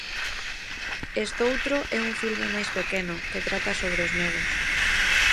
Estoutro é un filme máis pequeno, que trata sobre os medos.